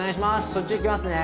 そっち行きますね。